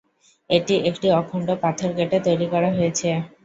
এটি একটি অখণ্ড পাথর কেটে তৈরি করা হয়েছে।